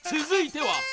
続いては。